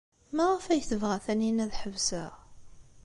Maɣef ay tebɣa Taninna ad ḥebseɣ?